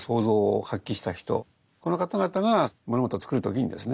この方々が物事を作る時にですね